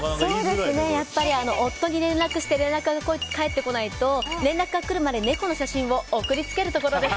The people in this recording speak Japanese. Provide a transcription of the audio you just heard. やっぱり、夫に連絡して連絡が返ってこないと連絡が来るまで猫の写真を送り付けるところです！